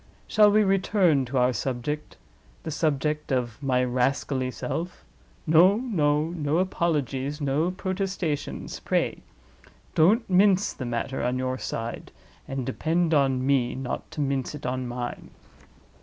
Shall we return to our subject—the subject of my rascally self? No! no! No apologies, no protestations, pray. Don't mince the matter on your side—and depend on me not to mince it on mine.